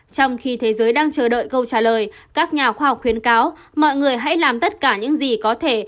trong khi thế giới đang chờ đợi câu trả lời các nhà khoa học khuyến cáo mọi người hãy làm tất cả những gì có thể